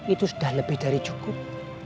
itu sudah lebih dari cukup